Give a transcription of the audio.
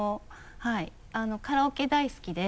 カラオケ大好きで。